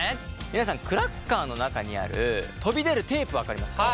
皆さんクラッカーの中にある飛び出るテープ分かりますか？